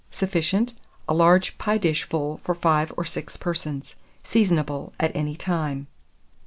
Sufficient. A large pie dish full for 5 or 6 persons. Seasonable at any time.